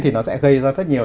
thì nó sẽ gây ra rất nhiều